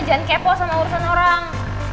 jangan kepo sama urusan orang